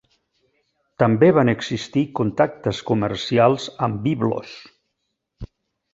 També van existir contactes comercials amb Biblos.